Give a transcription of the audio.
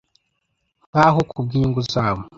nkaho kubwinyungu zabo